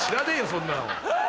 そんなの。